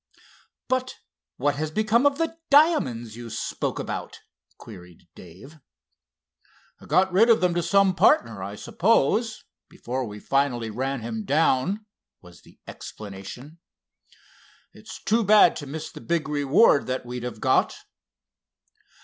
"But what has become of the diamonds you spoke about?" queried Dave. "Got rid of them to some partner, I suppose, before we finally ran him down," was the explanation. "It's too bad to miss the big reward that we'd have got."